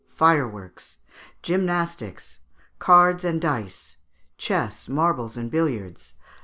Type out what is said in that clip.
Fireworks. Gymnastics. Cards and Dice. Chess, Marbles, and Billiards.